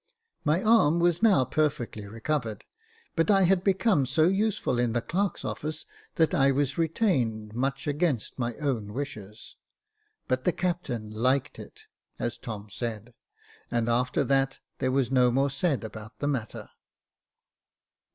My arm was now perfectly recovered, but I had become so useful in the clerk's office that I was retained, much against my own wishes : but the captain Med it, as Tom said, and after that, there was no more said about the matter.